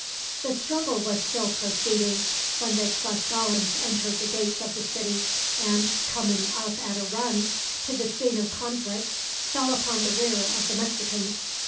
The struggle was still proceeding when the Tlascalans entered the gates of the city and, coming up at a run to the scene of conflict, fell upon the rear of the Mexicans.